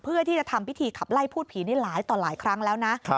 เพื่อที่จะทำพิธีขับไล่พูดผีนี่หลายต่อหลายครั้งแล้วนะ